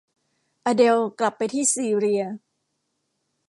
อเดลล์กลับไปที่ซีเรีย